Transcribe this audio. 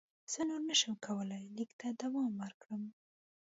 زه نور نه شم کولای لیک ته دوام ورکړم.